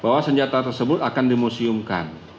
bahwa senjata tersebut akan dimuseumkan